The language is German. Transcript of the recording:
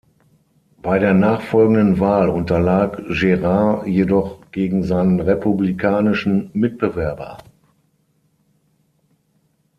Bei der nachfolgenden Wahl unterlag Gerard jedoch gegen seinen republikanischen Mitbewerber.